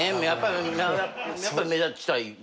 やっぱ目立ちたい。